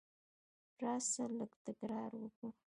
راسه! لږ تکرار وکو.